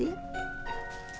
gimana kabar suara